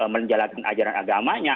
menjalankan ajaran agamanya